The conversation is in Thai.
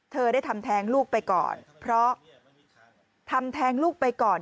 เธอได้ทำแทงลูกไปก่อนเพราะทำแทงลูกไปก่อน